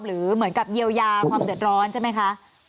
หรือเหมือนกับเยียวยาความเดือดร้อนใช่ไหมคะ